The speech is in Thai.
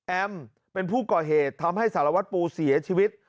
เป็นผู้ก่อเหตุทำให้สารวัตรปูเสียชีวิต